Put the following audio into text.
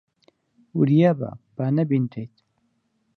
وریا بە با نەبینرێیت.